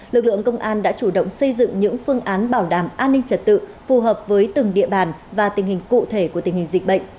lực lượng công an đã chủ động xây dựng những phương án bảo đảm an ninh trật tự phù hợp với từng địa bàn và tình hình cụ thể của tình hình dịch bệnh